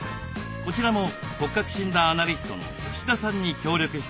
こちらも骨格診断アナリストの吉田さんに協力してもらいました。